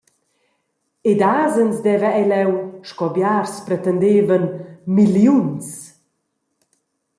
Ed asens deva ei leu, sco biars pretendevan, milliuns.